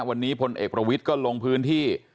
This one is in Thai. วันนี้พลเอกประวิทย์ก็ลงพื้นที่